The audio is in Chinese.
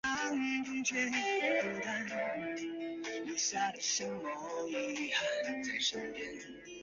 安苡爱前男友为男演员李博翔。